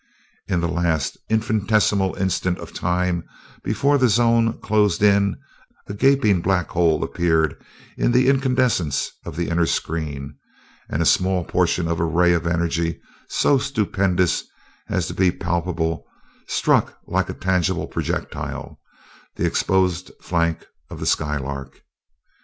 In the last infinitesimal instant of time before the zone closed in, a gaping black hole appeared in the incandescence of the inner screen, and a small portion of a ray of energy so stupendous as to be palpable, struck, like a tangible projectile, the exposed flank of the Skylark.